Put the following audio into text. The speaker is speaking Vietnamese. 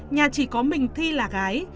nhà chỉ có mình thi là gái